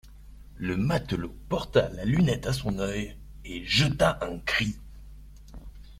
Le matelot porta la lunette à son oeil, et jeta un cri.